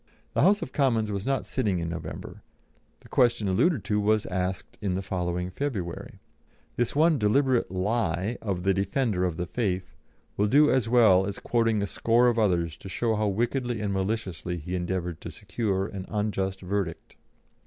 The House of Commons was not sitting in November; the question alluded to was asked in the following February. This one deliberate lie of the "defender of the faith" will do as well as quoting a score of others to show how wickedly and maliciously he endeavoured to secure an unjust verdict.